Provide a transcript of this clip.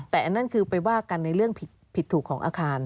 แต่อันนั้นคือไปว่ากันในเรื่องผิดถูกของอาคาร